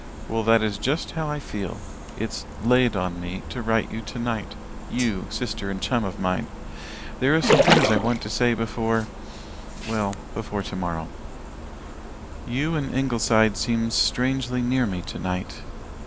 Well, that is just how I feel. It's 'laid on me' to write you tonight you, sister and chum of mine. There are some things I want to say before well, before tomorrow. "You and Ingleside seem strangely near me tonight.